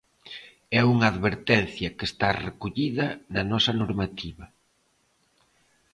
É unha advertencia que está recollida na nosa normativa.